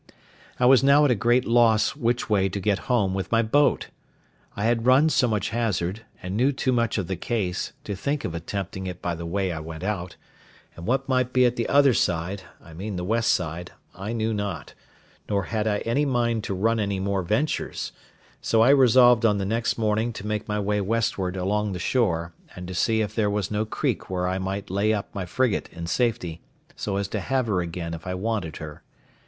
I was now at a great loss which way to get home with my boat! I had run so much hazard, and knew too much of the case, to think of attempting it by the way I went out; and what might be at the other side (I mean the west side) I knew not, nor had I any mind to run any more ventures; so I resolved on the next morning to make my way westward along the shore, and to see if there was no creek where I might lay up my frigate in safety, so as to have her again if I wanted her.